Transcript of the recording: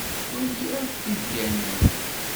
Wali akk tidyanin.